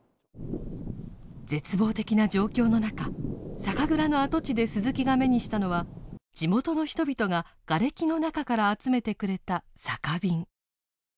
絶望的な状況の中酒蔵の跡地で鈴木が目にしたのは地元の人々ががれきの中から集めてくれた酒瓶。